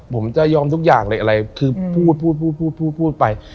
ผมจะยอมทุกอย่างอะไรคือพูดไป